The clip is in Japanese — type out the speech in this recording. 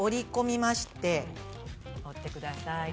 折ってください。